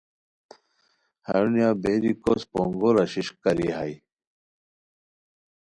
ہرونیہ بیری کو س پونگو رشش کاری ہائے